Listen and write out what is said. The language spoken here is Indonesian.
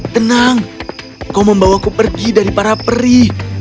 tenang kau membawaku pergi dari para peri